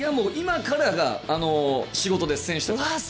いやもう、今からが仕事です、選手たち。